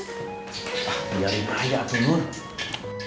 ah biarin aja tuh nur